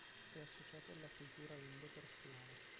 È associato alla cultura indo-persiana.